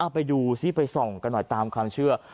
ไปดูซิไปส่องกันหน่อยตามความเชื่อ